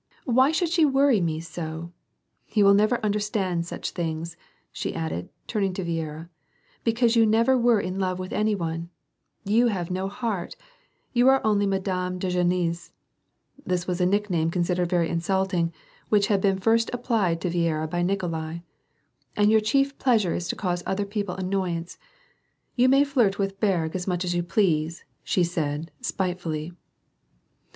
" Why should she worry me so ? You will never understand such things," she added, turning to Viera, " because you never were in love with any one, you have no heart, you are only Madame de Grenlis (this was a nickname considered very insulting, which had been first applied to Viera by Nikolai), and your chief pleasure is to cause other people annoyance. You may flirt with Berg as much as you please," she said, spitefully.